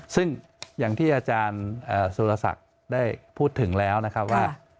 ซึ่งอย่างที่อาจารย์สุรศักดิ์ได้พูดถึงแล้วนะครับว่า